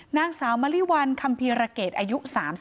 นางสาวมะลิวัลคัมภีรเกตอายุ๓๒